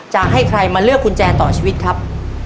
จะให้ใครมาเลือกกุญแจต่อชีวิตครับ